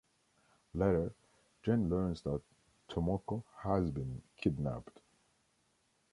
Later, Gen learns that Tomoko has been kidnapped.